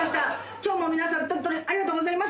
今日も皆さん段取りありがとうございます。